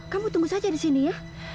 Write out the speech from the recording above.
kamu tunggu saja di sini ya